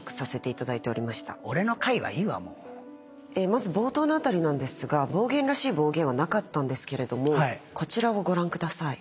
まず冒頭の辺りですが暴言らしい暴言はなかったんですけれどもこちらをご覧ください。